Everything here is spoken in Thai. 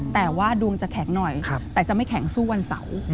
แต่ว่าดวงจะแข็งหน่อยแต่จะไม่แข็งสู้วันเสาร์